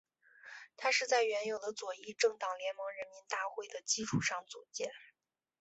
它是在原有的左翼政党联盟人民大会的基础上组建。